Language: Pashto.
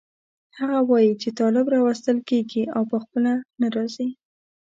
هغه وایي چې طالب راوستل کېږي او په خپله نه راځي.